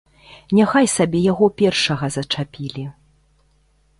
Няхай сабе яго першага зачапілі.